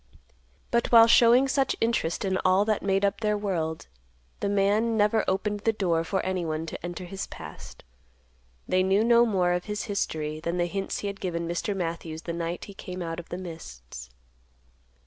But while showing such interest in all that made up their world, the man never opened the door for anyone to enter his past. They knew no more of his history than the hints he had given Mr. Matthews the night he came out of the mists.